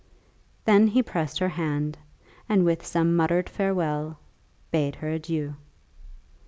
Then he pressed her hand, and with some muttered farewell, bade her adieu.